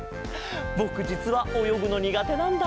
ぼくじつはおよぐのにがてなんだ。